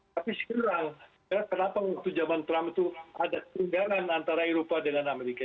tapi sekarang kenapa waktu zaman trump itu ada ketinggalan antara eropa dengan amerika